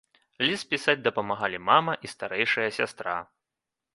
Ліст пісаць дапамагалі мама і старэйшая сястра.